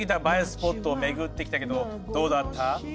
スポットを巡ってきたけどどうだった？